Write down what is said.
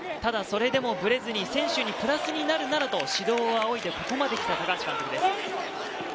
ただ、それでもぶれずに選手にプラスになるならと指導を仰いでここまできた高橋監督です。